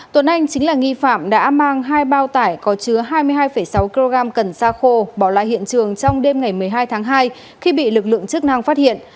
tuấn anh chính là nghi phạm đã mang hai bao tải có chứa hai mươi hai sáu kg cần xa khô bỏ lại hiện trường trong đêm ngày một mươi hai tháng hai khi bị lực lượng chức năng phát hiện